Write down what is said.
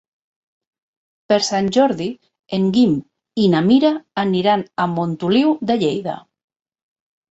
Per Sant Jordi en Guim i na Mira aniran a Montoliu de Lleida.